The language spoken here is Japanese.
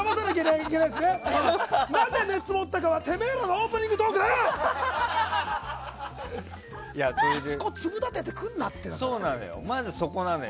なぜ熱持ったかはてめえらのオープニングトークでだよ！